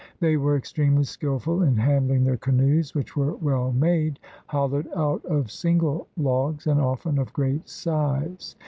They were extremely skillful in handling their canoes, which were well made, hollowed out of single logs, and often of great size.